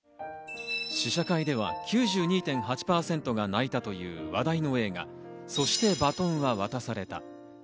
試写会では９２．８％が泣いたという話題の映画『そして、バトンは渡された』。